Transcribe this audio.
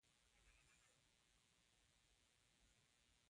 سل کروړه روپۍ تاوان تادیه کړي.